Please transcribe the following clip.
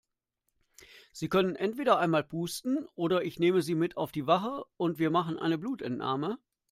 Sie können entweder einmal pusten oder ich nehme Sie mit auf die Wache und wir machen eine Blutentnahme.